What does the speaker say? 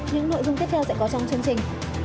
những nội dung tiếp theo sẽ có trong chương trình